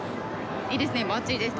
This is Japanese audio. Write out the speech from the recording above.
いいですね